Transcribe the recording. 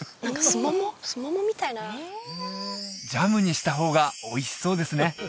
スモモみたいなジャムにした方がおいしそうですね